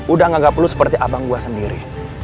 udah ngagap lu seperti abang gua sendiri